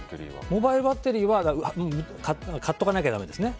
モバイルバッテリーは買っておかなきゃだめですね。